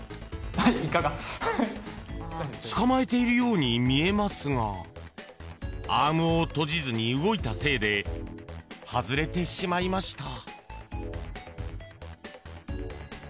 捕まえているように見えますがアームを閉じずに動いたせいで外れてしまいました。